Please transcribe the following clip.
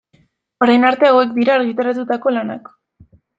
Orain arte hauek dira argitaratutako lanak.